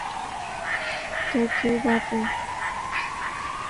تو کیوبا کو۔